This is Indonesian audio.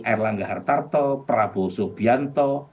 erlangga hartarto prabowo subianto